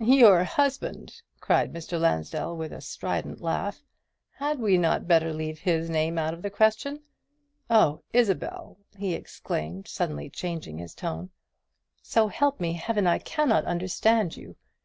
"Your husband!" cried Mr. Lansdell, with a strident laugh; "had we not better leave his name out of the question? Oh, Isabel!" he exclaimed, suddenly changing his tone, "so help me Heaven, I cannot understand you.